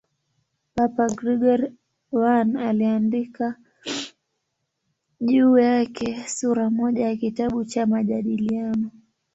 Papa Gregori I aliandika juu yake sura moja ya kitabu cha "Majadiliano".